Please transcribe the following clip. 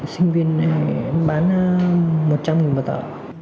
sinh viên này em bán một trăm linh nghìn một tờ